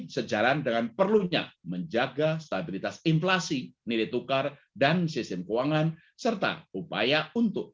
sejalan dengan perlunya menjaga stabilitas inflasi nilai tukar dan sistem keuangan serta upaya untuk